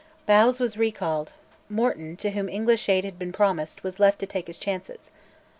Bowes was recalled; Morton, to whom English aid had been promised, was left to take his chances.